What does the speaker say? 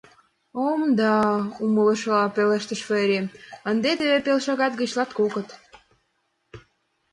— О, м-да, — умылышыла пелештыш Фери, — ынде теве пел шагат гыч латкокыт.